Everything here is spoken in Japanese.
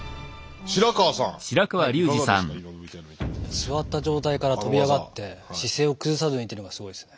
座った状態から跳び上がって姿勢を崩さず抜いているのがすごいですね。